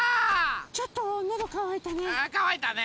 ちょっとのどかわいたね。